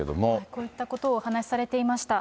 こういったことをお話しされていました。